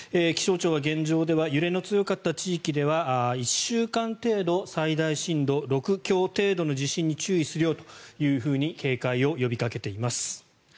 気象庁は現状では揺れの強かった地域では１週間程度最大震度６強程度の地震に注意するように警戒を呼びかけています。